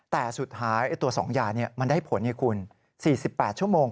แต่สุดท้ายตัว๒ยามันได้ผลไงคุณ๔๘ชั่วโมง